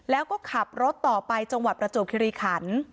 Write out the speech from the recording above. แล้วก็ขับรถต่อไปจังหวัดประจวบคิริขัน